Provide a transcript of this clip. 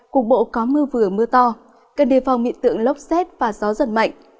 cục bộ có mưa vừa mưa to gần đề phòng hiện tượng lốc xét và gió rất mạnh